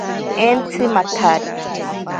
Entsi matsari.